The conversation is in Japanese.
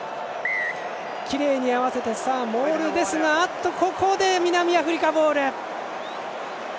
きれいに合わせてモールというところですがここで南アフリカボール。